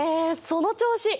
その調子！